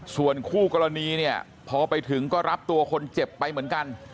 ส่วนคู่กรณีเนี่ยพอไปถึงก็รับตัวคนเจ็บไปเหมือนกัน